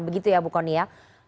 begitu ya bu kony ya